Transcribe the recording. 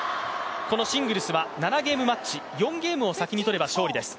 このシングルスは７ゲームマッチ、４ゲームを先に取れば勝利です。